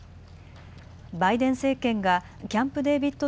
バイデン政権がキャンプ・デービッド